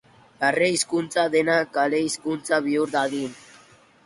Larre hizkuntza dena kale hizkuntza bihur dadin.